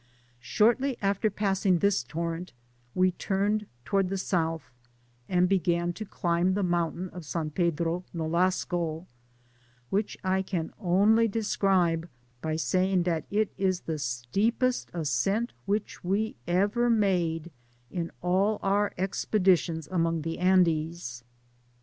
Shortly after passing this torrent, we turned towards the south, and began to climb the moun tain of San Pedro Nolasco, which I can only describe ^y saying, that it is the steepest ascent Digitized byGoogk 220 JOURNEY TO THE SILVER MINE which we ever made in all our expeditions among the Andes.